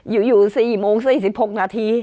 อยู่๔โมง๔๖นาที